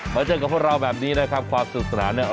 เจอกับพวกเราแบบนี้นะครับความสุขสนานเนี่ย